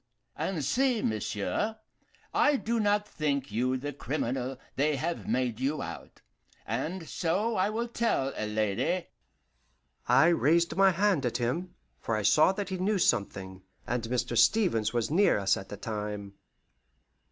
And see, monsieur, I do not think you the criminal they have made you out, and so I will tell a lady " I raised my hand at him, for I saw that he knew something, and Mr. Stevens was near us at the time.